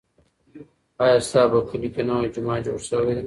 ایا ستا په کلي کې نوی جومات جوړ شوی دی؟